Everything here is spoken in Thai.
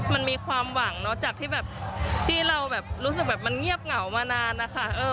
มันมีความหวังเนอะจากที่แบบที่เราแบบรู้สึกแบบมันเงียบเหงามานานนะคะ